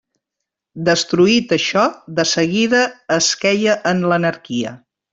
Destruït això, de seguida es queia en l'anarquia.